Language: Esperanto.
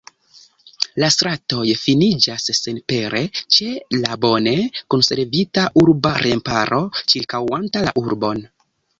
La stratoj finiĝas senpere ĉe la bone konservita urba remparo ĉirkaŭanta la urbon.